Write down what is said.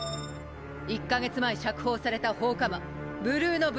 １か月前釈放された放火魔ブルーノ・ブレイズ。